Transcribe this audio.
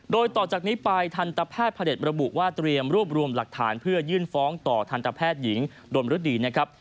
โดยต่อจากนี้ไปทันตแพทย์พระเด็จระบุว่าเตรียมรวบรวมหลักฐานเพื่อยื่นฟ้องต่อทันตแพทย์หญิงดมฤดีนะครับ